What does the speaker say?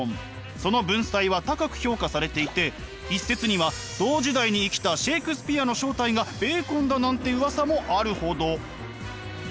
その文才は高く評価されていて一説には同時代に生きたシェークスピアの正体がベーコンだなんてうわさもあるほど。